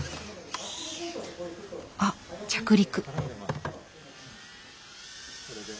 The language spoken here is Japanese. あっ着陸。